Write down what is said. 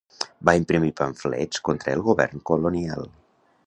Va imprimir pamflets contra el govern colonial.